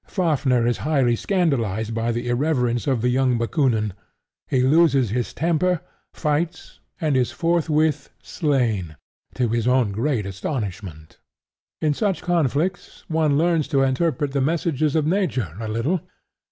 Fafnir is highly scandalized by the irreverence of the young Bakoonin. He loses his temper; fights; and is forthwith slain, to his own great astonishment. In such conflicts one learns to interpret the messages of Nature a little.